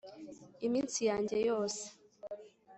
iminsi yanjye yose